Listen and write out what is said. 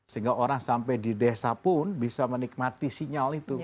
sehingga orang sampai di desa pun bisa menikmati sinyal itu